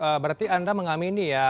oke berarti anda mengamini ya